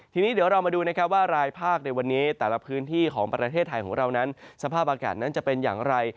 ทีนี้เดี๋ยวเรามาดูนะครับว่ารายภาคในวันนี้แต่ละพื้นที่ของประเทศไทยของเรานั้นสภาพอากาศนั้นจะเป็นอย่างไร